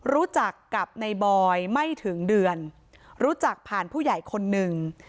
รู้จักกับในบอยไม่ถึงเดือนรู้จักผ่านผู้ใหญ่คนหนึ่ง